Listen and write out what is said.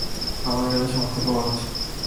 আমার কাছে সমস্ত প্রমাণ আছে।